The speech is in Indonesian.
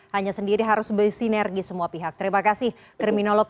hanya sendiri harus bersinergi semua pihak